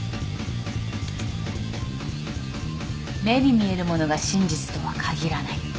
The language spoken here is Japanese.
目に見えるものが真実とは限らない。